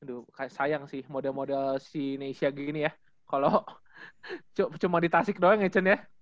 aduh sayang sih model model si neysia gini ya kalo cuman di tasik doang ya chen ya